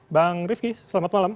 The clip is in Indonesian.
bang rifki selamat malam